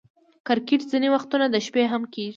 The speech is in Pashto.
کرکټ ځیني وختونه د شپې هم کیږي.